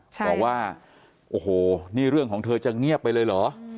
บอกว่าโอ้โหนี่เรื่องของเธอจะเงียบไปเลยเหรอ